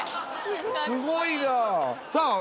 すごいなあ。